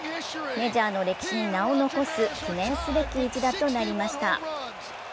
メジャーの歴史に名を残す記念すべき一打となりました。